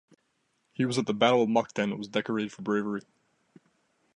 He was at the Battle of Mukden and was decorated for bravery.